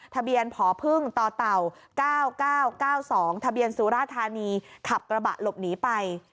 ทะเบียนผอพึ่งต่อเต่า๙๙๙๒ทะเบียนสุราธานีขับกระบะหลบหนีไป